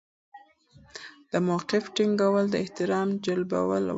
د موقف ټینګول د احترام جلبولو وسیله ده.